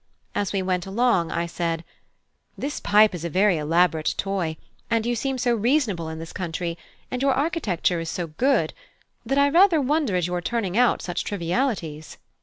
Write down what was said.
As we went, I said: "This pipe is a very elaborate toy, and you seem so reasonable in this country, and your architecture is so good, that I rather wonder at your turning out such trivialities."